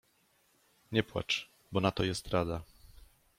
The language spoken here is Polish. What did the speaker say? — Nie płacz, bo na to jest rada.